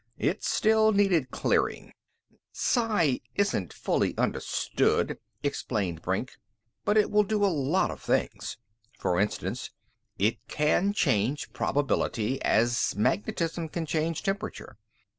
It still needed clearing. "Psi still isn't fully understood," explained Brink, "but it will do a lot of things. For instance, it can change probability as magnetism can change temperature.